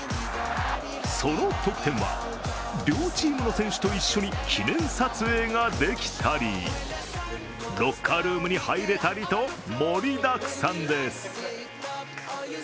その特典は、両チームの選手と一緒に記念撮影ができたりロッカールームに入れたりと、盛りだくさんです。